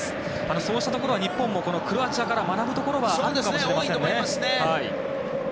そうしたところは、日本もクロアチアから学ぶところはあるのかもしれません。